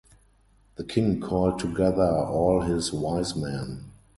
The king called together all his wise men.